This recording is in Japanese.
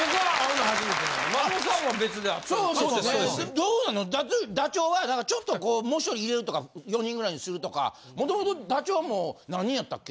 どうなのダチョウはちょっともう１人いれるとか４人ぐらいにするとかもともとダチョウも何人やったっけ？